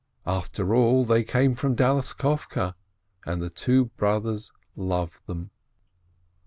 After all, they came from Dalissovke, and the two brothers loved them.